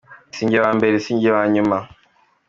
Si njye wa mbere si nanjye wa nyuma.